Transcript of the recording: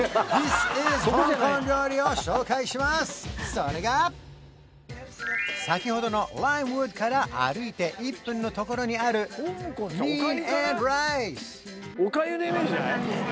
それが先ほどのライムウッドから歩いて１分のところにあるミーン